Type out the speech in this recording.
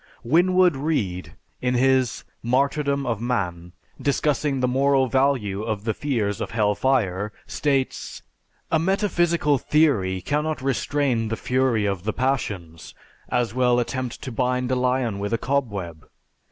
Winwood Reade in his "Martyrdom of Man," discussing the moral value of the fears of hell fire, states, "a metaphysical theory cannot restrain the fury of the passions; as well attempt to bind a lion with a cobweb.